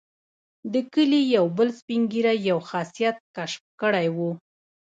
د کلي یو بل سپین ږیري یو خاصیت کشف کړی وو.